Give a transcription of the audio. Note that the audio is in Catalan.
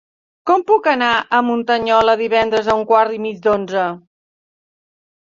Com puc anar a Muntanyola divendres a un quart i mig d'onze?